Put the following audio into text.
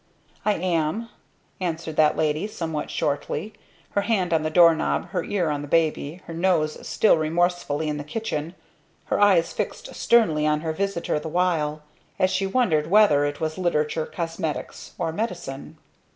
"I am," answered that lady, somewhat shortly, her hand on the doorknob, her ear on the baby, her nose still remorsefully in the kitchen, her eyes fixed sternly on her visitor the while; as she wondered whether it was literature, cosmetics, or medicine.